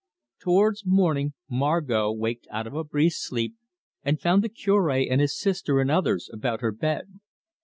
Towards morning Margot waked out of a brief sleep, and found the Cure and his sister and others about her bed.